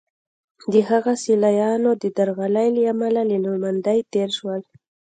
د هغه سیالانو د درغلۍ له امله له نوماندۍ تېر شول.